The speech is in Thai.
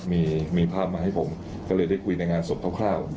มีภาพมาให้ผมก็เลยได้คุยในงานศพคร่าว